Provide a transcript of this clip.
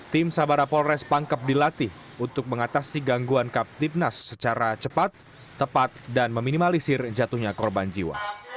tim sabara polres pangkep dilatih untuk mengatasi gangguan kaptipnas secara cepat tepat dan meminimalisir jatuhnya korban jiwa